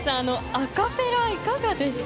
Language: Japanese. アカペラ、いかがでした？